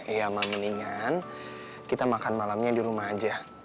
ya mendingan kita makan malamnya di rumah aja